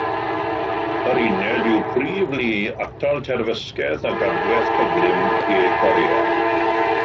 Yr uned yw prif lu atal terfysgaeth ac adwaith cyflym De Corea.